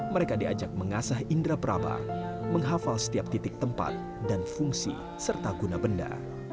mereka diajak mengasah indra praba menghafal setiap titik tempat dan fungsi serta guna benda